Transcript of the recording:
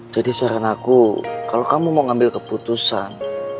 jadi saran aku kalau kamu mau ngambil keputusan